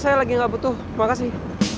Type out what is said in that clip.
iya gak butuh makasih